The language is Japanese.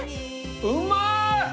うまい！